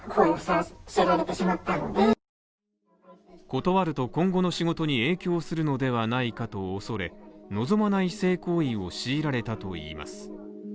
断ると今後の仕事に影響するのではないかと恐れ望まない性行為を強いられたといいます。